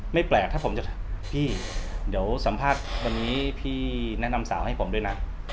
แปลกถ้าผมจะพี่เดี๋ยวสัมภาษณ์วันนี้พี่แนะนำสาวให้ผมด้วยนะ